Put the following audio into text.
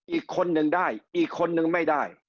อีกคนนึงได้อีกคนนึงไม่ได้